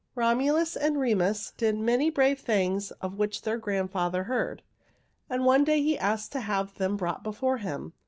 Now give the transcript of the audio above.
Romulus and Remus did many brave things of which their grandfather heard, and one day he asked to have them brought before him.